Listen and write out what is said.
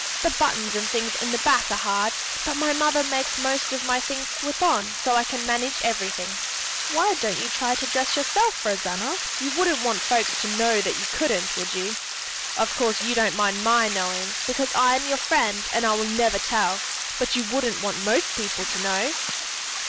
"The buttons and things in the back are hard, but my mother makes most of my things slip on so I can manage everything. Why don't you try to dress yourself, Rosanna? You wouldn't want folks to know that you couldn't, would you? Of course you don't mind my knowing, because I am your friend and I will never tell; but you wouldn't want most people to know?"